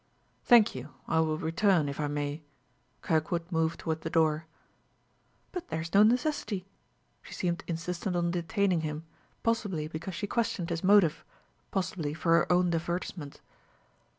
"Thank you, I will return, if I may." Kirkwood moved toward the door. "But there's no necessity " She seemed insistent on detaining him, possibly because she questioned his motive, possibly for her own divertisement.